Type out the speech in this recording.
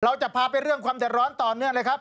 เราจะพาไปเรื่องความดรรรณ์ตอนนี้เลยครับ